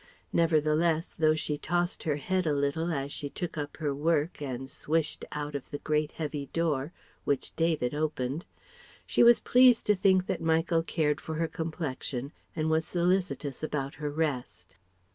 Nevertheless, though she tossed her head a little as she took up her "work" and swished out of the great heavy door which David opened she was pleased to think that Michael cared for her complexion and was solicitous about her rest.